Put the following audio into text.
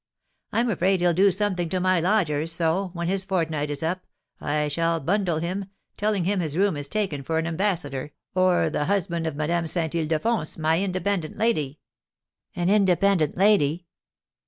I'm afraid he'll do something to my lodgers, so, when his fortnight is up, I shall bundle him, telling him his room is taken for an ambassador, or the husband of Madame Saint Ildefonse, my independent lady." "An independent lady?"